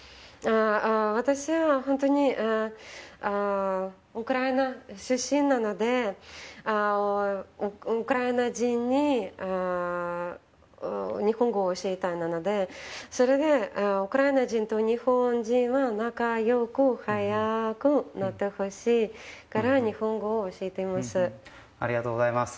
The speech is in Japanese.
私はウクライナ出身なのでウクライナ人に日本語を教えたいのでそれでウクライナ人と日本人に仲良く早くなってほしいから日本語を教えています。